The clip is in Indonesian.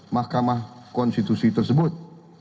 mahkamah konstitusi tersebut